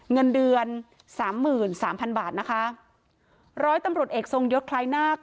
เงินเดือน๓๓๐๐๐บาทนะคะร้อยตำรวจเอกทรงยศคลายนาค